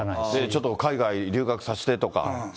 ちょっと海外留学させてとか。